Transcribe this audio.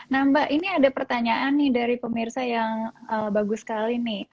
nah mbak ini ada pertanyaan nih dari pemirsa yang bagus sekali nih